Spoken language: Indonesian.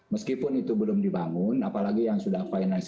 meskipun itu belum dibangun apalagi yang sudah penutup keuangan